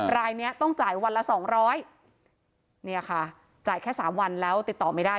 รายนี้ต้องจ่ายวันละ๒๐๐บาทนี่ค่ะจ่ายแค่๓วันแล้วติดต่อไม่ได้